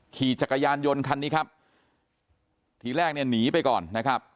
ขี่จักรยานยนต์คันนี้ครับทีแรกเนี่ยหนีไปก่อนนะครับ